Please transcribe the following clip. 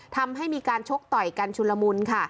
ทำให้มีการชกต่อยกันชุลมุนค่ะ